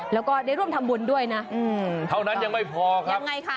แล้วก็ได้ร่วมทำบุญด้วยนะอืมเท่านั้นยังไม่พอครับยังไงค่ะ